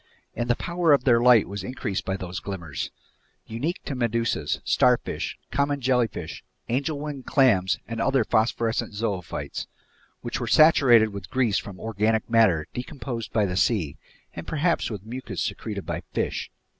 And the power of their light was increased by those glimmers unique to medusas, starfish, common jellyfish, angel wing clams, and other phosphorescent zoophytes, which were saturated with grease from organic matter decomposed by the sea, and perhaps with mucus secreted by fish.